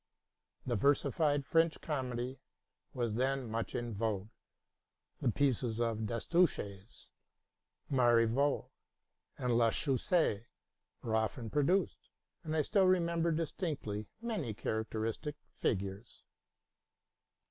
The versified French comedy was then much in yogue: the pieces of Destouches, Marivaux, and La Chaussée were often produced ; and I still remember distinctiy many characteristic figures.